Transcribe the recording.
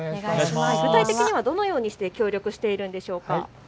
具体的にはどのようにして協力しているんでしょうか。